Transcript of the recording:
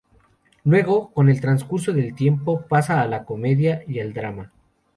Luego, con el transcurso del tiempo pasa a la comedia y al drama.